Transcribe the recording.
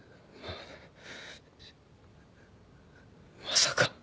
まさか。